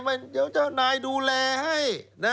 มีคนที่ให้สิลค์บนนะโอ๊ยนายดูแลให้